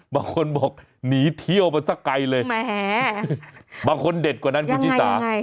บางคนบอกหนีเที่ยวมาสักไกลเลยบางคนเด็ดกว่านั้นคุณชิสา